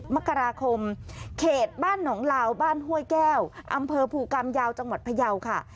มกราคมเขตบ้านหนองลาวบ้านห้วยแก้วอำเภอภูกรรมยาวจังหวัดพยาวค่ะ